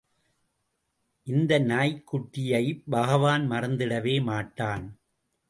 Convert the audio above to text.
இந்த நாய்க்குட்டியை பகவான் மறந்திடவே மாட்டான்.